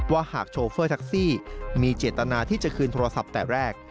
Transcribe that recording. หากโชเฟอร์แท็กซี่มีเจตนาที่จะคืนโทรศัพท์แต่แรก